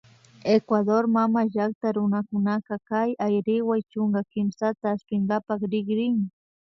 Ecuador mamallakta runakunaka kay Ayriwa chunka kimsata aspinkapak rikrin